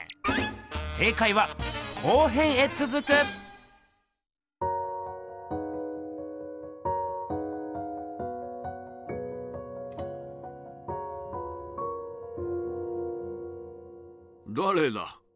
正かいはだれだ？